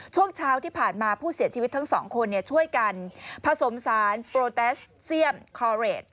ช่วงเช้าที่ผ่านมาผู้เสียชีวิตทั้งสองคนช่วยกันผสมสารโปรแตสเซียมคอเรด